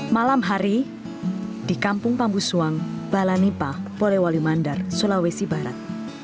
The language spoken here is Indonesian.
malam hari di kampung pambusuang balanipa polewali mandar sulawesi barat